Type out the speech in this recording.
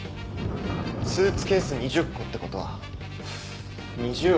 スーツケース２０個ってことは２０億。